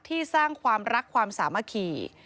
สร้างความรักความสามัคคี